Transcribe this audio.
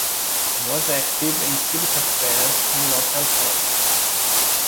He was active in civic affairs and local politics.